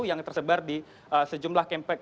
yang tersebar di sejumlah camp piatu